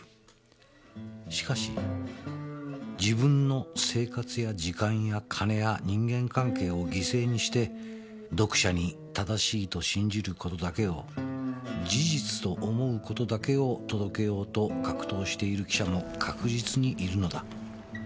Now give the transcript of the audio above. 「しかし自分の生活や時間や金や人間関係を犠牲にして読者に正しいと信じる事だけを事実と思うことだけを届けようと格闘している記者も確実にいるのだ」